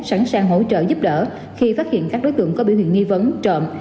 sẵn sàng hỗ trợ giúp đỡ khi phát hiện các đối tượng có biểu hiện nghi vấn trộm